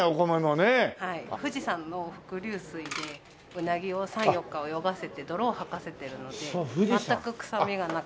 富士山の伏流水でうなぎを３４日泳がせて泥を吐かせてるので全く臭みがなくなる。